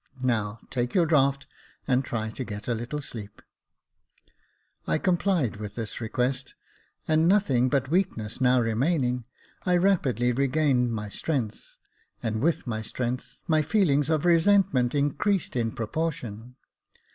Now, take your draught, and try to get a little sleep." I complied with this request, and nothing but weakness 1 88 Jacob Faithful now remaining, I rapidly regained my strength, and with my strength, my feelings of resentment increased in propor tion.